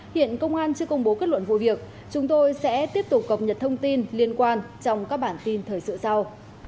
hiện công an chưa công bố kết luận vụ việc chúng tôi sẽ tiếp tục cập nhật thông tin liên quan trong các bản tin thời sự sau